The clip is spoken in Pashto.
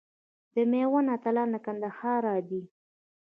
د میوند اتلان له کندهاره دي.